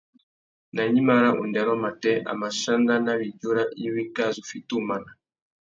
Nà gnïmá râ undêrô matê, a mà chana nà widjura iwí kā zu fiti umana.